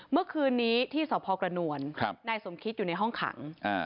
เมื่อคืนนี้ที่สพกระนวลนายสมคิดอยู่ในห้องขัง